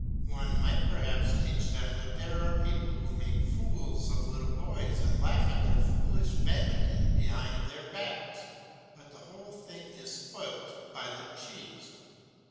One might perhaps teach them that there are people who make fools of little boys and laugh at their foolish vanity behind their backs. But the whole thing is spoilt by the cheese.